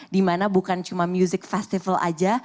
dimana bukan cuma music festival aja